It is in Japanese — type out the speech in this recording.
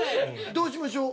◆どうしましょう。